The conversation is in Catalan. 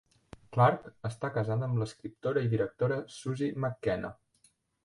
Clarke està casada amb l'escriptora i directora Susie McKenna.